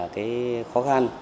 cái khó khăn